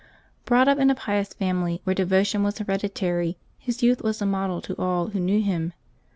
Brought up in a pious family where devotion was hereditary, his youth was a model to all who knew him.